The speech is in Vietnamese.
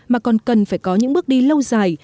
mà còn cần phải có những bước đi lâu dài